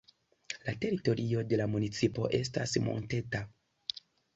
La teritorio de la municipo estas monteta.